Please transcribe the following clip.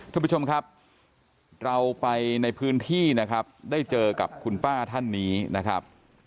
ทุกผู้ชมครับเราไปในพื้นที่นะครับได้เจอกับคุณป้าท่านนี้นะครับ